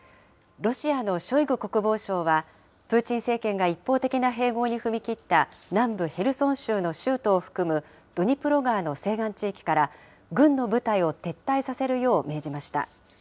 ロシアのショイグ国防相は、プーチン政権が一方的な併合に踏み切った、南部ヘルソン州の州都を含むドニプロ川の西岸地域から軍の部隊を撤退させるよう命じました。